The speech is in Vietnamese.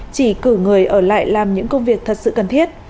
chỉ cử người ở lại làm những công việc thật sự cần thiết